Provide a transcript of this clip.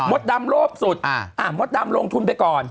ดำโลภสุดมดดำลงทุนไปก่อน